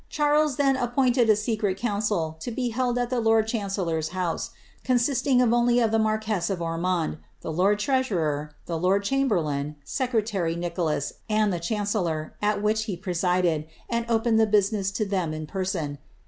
S then appointed a secret council to be held at the lord chan tioose, consisting only of the marquess of Ormond, the lord I the lord chamberlain, secretary Nicholas, and the chancellor, he presided, and opened the business to them in person.